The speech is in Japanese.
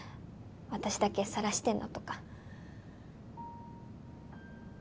私だけさらしてんのとか。